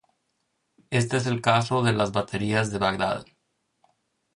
Este es el caso de las "baterías de Bagdad".